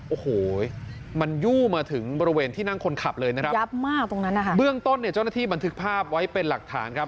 โอ้โหมันยู่มาถึงบริเวณที่นั่งคนขับเลยนะครับยับมากตรงนั้นนะคะเบื้องต้นเนี่ยเจ้าหน้าที่บันทึกภาพไว้เป็นหลักฐานครับ